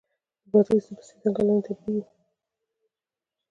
د بادغیس د پستې ځنګلونه طبیعي دي.